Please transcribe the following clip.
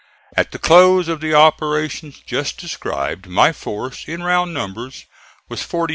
At the close of the operations just described my force, in round numbers, was 48,500.